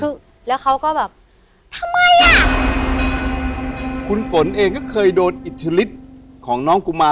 คือแล้วเขาก็แบบทำไมอ่ะคุณฝนเองก็เคยโดนอิทธิฤทธิ์ของน้องกุมาร